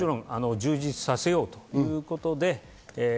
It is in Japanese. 充実させようということ。